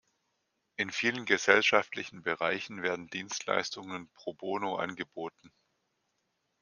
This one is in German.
In vielen gesellschaftlichen Bereichen werden Dienstleistungen pro bono angeboten.